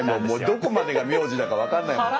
もうどこまでが名字だか分かんない。